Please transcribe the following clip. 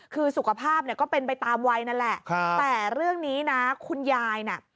คือสุขภาพเนี่ยก็เป็นไปตามวัยนั่นแหละแต่เรื่องนี้นะคุณยายน่ะ